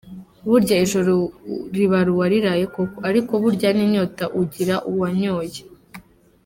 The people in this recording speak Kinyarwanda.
Burya ijoro ribara uwariraye koko, ariko burya n’inyota ugira uwanyoye.